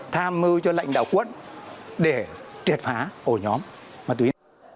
tham mưu cho lãnh đạo quận để triệt phá ổ nhóm ma túy